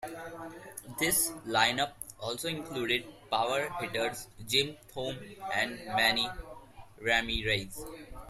This line-up also included power hitters Jim Thome and Manny Ramirez.